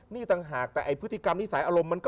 นี่ต่างหากแต่ไอ้พฤติกรรมนิสัยอารมณ์มันก็